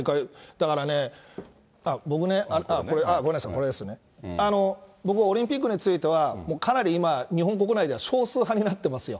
だからね、僕ね、ごめんなさい、これですよね、僕ね、オリンピックについては、かなり今、日本国内では少数派になっていますよ。